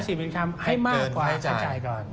ให้เกินให้จ่ายก่อน